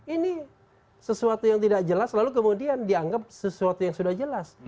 ini sesuatu yang tidak jelas lalu kemudian dianggap sesuatu yang sudah jelas